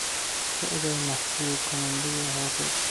شعر مسحور کنندهی حافظ